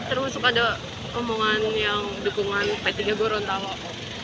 termasuk ada omongan yang dukungan p tiga gorontalo